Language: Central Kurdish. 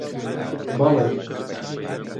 بەڵێ.